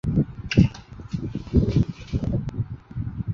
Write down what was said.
咸丰元年署国子监司业。